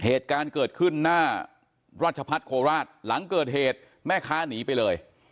เหตุการณ์เกิดขึ้นหน้าราชพัฒน์โคราชหลังเกิดเหตุแม่ค้าหนีไปเลย